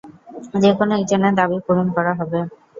যেকোনো একজনের দাবি পূরণ করা হবে।